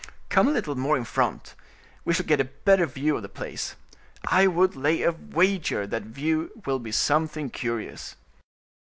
Come a little more in front; we shall get a better view of the place. I would lay a wager that view will be something curious."